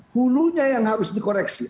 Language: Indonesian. hulunya yang harus dikoreksi